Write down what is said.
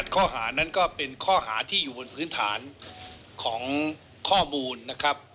ข้อหานั้นก็เป็นข้อหาที่อยู่บนพื้นฐานของข้อมูลนะครับ